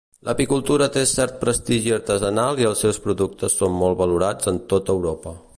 L'apicultura té cert prestigi artesanal i els seus productes són molt valorats en tota Europa.